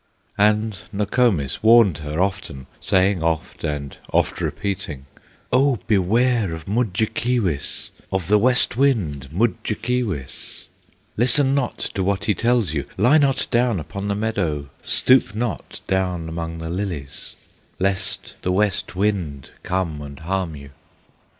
And Nokomis warned her often, Saying oft, and oft repeating, "Oh, beware of Mudjekeewis, Of the West Wind, Mudjekeewis; Listen not to what he tells you; Lie not down upon the meadow, Stoop not down among the lilies, Lest the West Wind come and harm you!"